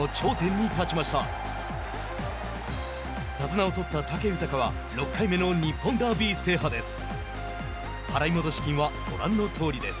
手綱を取った武豊は６回目の日本ダービー制覇です。